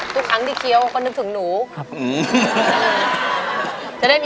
ทุกครั้งดินเท่าไม่เป็นมาแล้ว